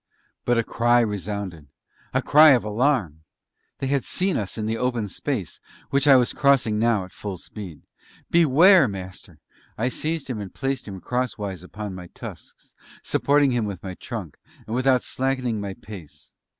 But a cry resounded a cry of alarm. They had seen us in the open space, which I was crossing now at full speed.... "Beware, Master!" I seized him and placed him cross wise upon my tusks, supporting him with my trunk, and without slackening my pace.